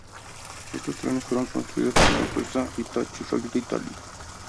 Estos trenes fueron construidas por la empresa Hitachi Rail Italy.